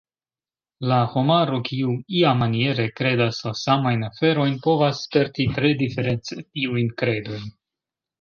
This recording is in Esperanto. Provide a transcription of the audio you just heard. La homaro kiu "iamaniere" kredas la samajn aferojn povas sperti tre diference tiujn kredojn.